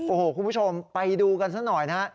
โอ้โหคุณผู้ชมไปดูกันซะหน่อยนะฮะ